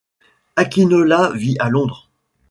Akinola vit à Londres.